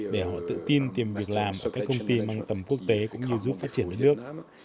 để họ tự tin tìm việc làm tại các công ty mang tầm quốc tế cũng như giúp phát triển đất nước